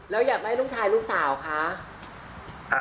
แล้วอยากได้ลูกชายลูกสาวคะ